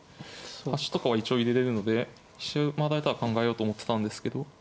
端とかは一応入れれるので飛車を回られたら考えようと思ってたんですけど。